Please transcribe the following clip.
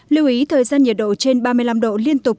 lưu ý thời gian nhiệt độ trên ba mươi năm độ liên tục